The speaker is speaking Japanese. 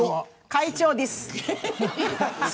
会長です。